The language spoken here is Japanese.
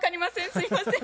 すいません。